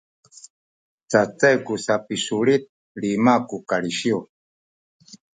cacay ku sapisulit lima ku kalisiw